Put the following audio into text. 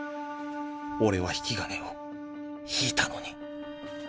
オレは引き金を引いたのに。